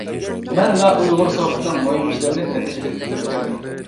مەن ۋە ئۇيغۇرسوفتنىڭ مۇھىم ئىشلىرىنى نەتىجىلىك پۈتتۈرۈپ كەلدىم.